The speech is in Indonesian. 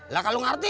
lah kalau ngerti